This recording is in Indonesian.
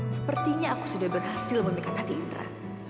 sepertinya aku sudah berhasil memikat hati indra